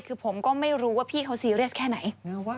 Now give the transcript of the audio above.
คือผมก็ไม่รู้ว่าพี่เขาซีเรียสแค่ไหน